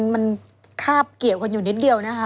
มันคาบเกี่ยวกันอยู่นิดเดียวนะคะ